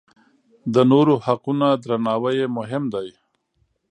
د نورو حقونه درناوی یې مهم دی.